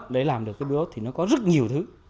để làm được cái đó thì nó có rất nhiều thứ